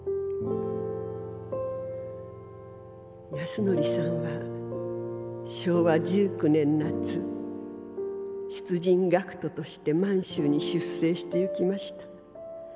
「安典さんは昭和十九年夏出陣学徒として満州に出征してゆきました。